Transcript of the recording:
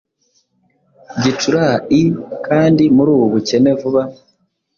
Gicurai kandi muri ubu bukene vuba